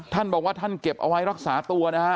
ท่านบอกว่าท่านเก็บเอาไว้รักษาตัวนะฮะ